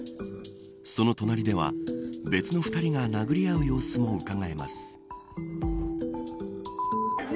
その隣では別の２人が殴り合う様子もうかがえます。